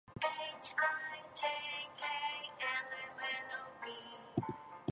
These, according to O'Hart, are the four lines from which all true Irish descend.